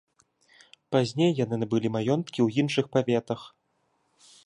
Пазней яны набылі маёнткі ў іншых паветах.